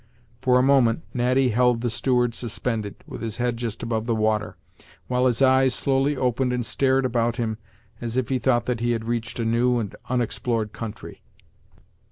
For a moment, Natty held the steward suspended, with his head just above the water, while his eyes slowly opened and stared about him, as if he thought that he had reached a new and unexplored country.